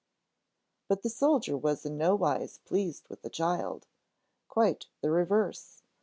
But the soldier was in nowise pleased with the child; quite the reverse!